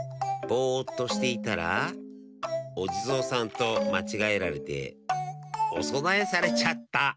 ぼっとしていたらおじぞうさんとまちがえられておそなえされちゃった。